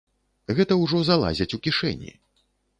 Гэта ўжо залазяць у кішэні.